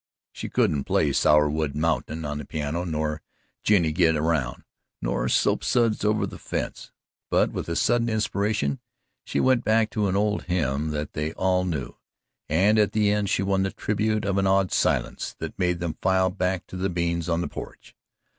She couldn't play "Sourwood Mountain" on the piano nor "Jinny git Aroun'," nor "Soapsuds over the Fence," but with a sudden inspiration she went back to an old hymn that they all knew, and at the end she won the tribute of an awed silence that made them file back to the beans on the porch.